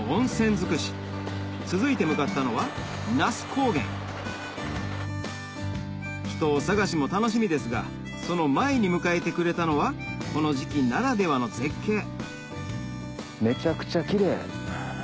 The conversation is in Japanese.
づくし続いて向かったのは那須高原秘湯探しも楽しみですがその前に迎えてくれたのはこの時期ならではの絶景めちゃくちゃキレイ。